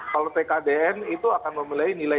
kalau tkdn itu akan memulai nilai